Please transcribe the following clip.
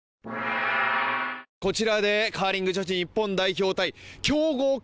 こちらでカーリング女子日本代表対強豪